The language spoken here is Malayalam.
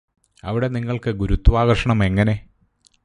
അവിടെ നിങ്ങൾക്ക് ഗുരുത്വാകര്ഷണം എങ്ങനെ